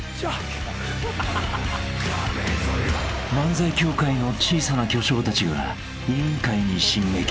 ［漫才協会の小さな巨匠たちが『委員会』に進撃］